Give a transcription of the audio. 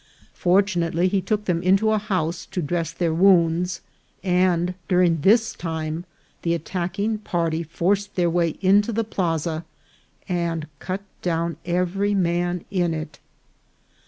Fortunately, he took them into a house to dress their wounds, and during this time the attacking party forced their way into the plaza, and cut down every man in it.